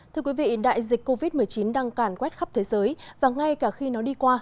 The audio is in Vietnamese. thưa quý vị đại dịch covid một mươi chín đang cản quét khắp thế giới và ngay cả khi nó đi qua